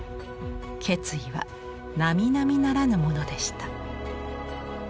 決意はなみなみならぬものでした。